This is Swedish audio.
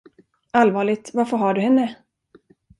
Allvarligt, varför har du henne?